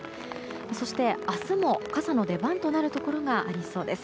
そして明日も傘の出番となるところがありそうです。